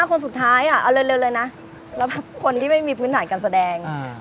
คนสุดท้ายเอาเร็วเลยนะแล้วคนที่ไม่มีพื้นฐานการแสดง